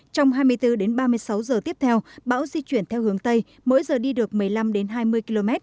trong hai mươi bốn đến ba mươi sáu giờ tiếp theo bão di chuyển theo hướng tây mỗi giờ đi được một mươi năm hai mươi km